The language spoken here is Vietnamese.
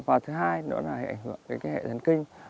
và thứ hai nữa là nó sẽ ảnh hưởng đến cái hệ giấn kinh